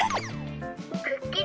クッキリ